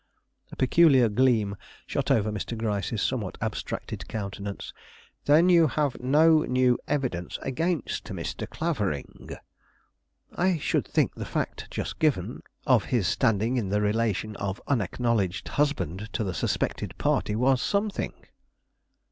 A peculiar gleam shot over Mr. Gryce's somewhat abstracted countenance. "Then you have no new evidence against Mr. Clavering?" "I should think the fact just given, of his standing in the relation of unacknowledged husband to the suspected party was something."